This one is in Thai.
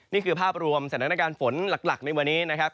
นี่คือภาพรวมสถานการณ์ฝนหลักในวันนี้นะครับ